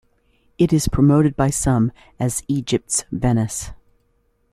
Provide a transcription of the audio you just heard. It is promoted by some as Egypt's Venice.